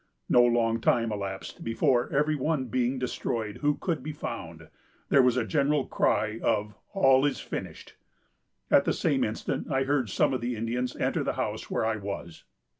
No long time elapsed before every one being destroyed who could be found, there was a general cry of 'All is finished.' At the same instant I heard some of the Indians enter the house where I was.